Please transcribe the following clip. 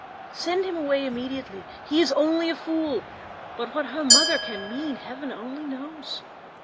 Send him away immediately; he is only a fool: but what her mother can mean, Heaven only knows!